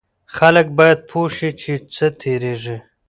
خلک باید پوه شي چې څه تیریږي.